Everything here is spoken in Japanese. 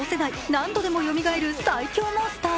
何度でもよみがえる最凶モンスター。